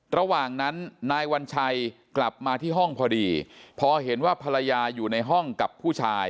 ระหว่างนั้นนายวัญชัยกลับมาที่ห้องพอดีพอเห็นว่าภรรยาอยู่ในห้องกับผู้ชาย